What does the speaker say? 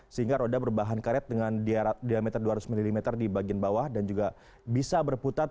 sehingga roda berbahan karet dengan diameter dua ratus mm di bagian bawah dan juga bisa berputar tiga ratus enam puluh derajat